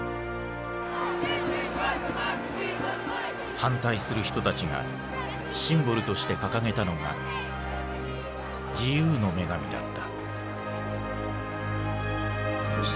反対する人たちがシンボルとして掲げたのが自由の女神だった。